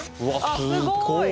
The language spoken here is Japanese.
すごい！